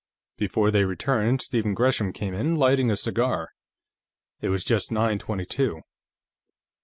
Before they returned, Stephen Gresham came in, lighting a cigar. It was just nine twenty two.